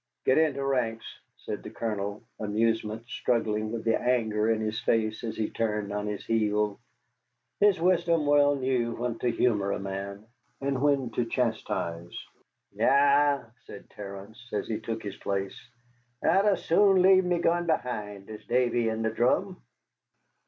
"Get into ranks," said the Colonel, amusement struggling with the anger in his face as he turned on his heel. His wisdom well knew when to humor a man, and when to chastise. "Arrah," said Terence, as he took his place, "I'd as soon l'ave me gun behind as Davy and the dhrum."